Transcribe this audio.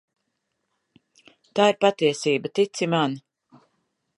Tā ir patiesība, tici man.